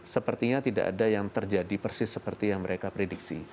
sepertinya tidak ada yang terjadi persis seperti yang mereka prediksi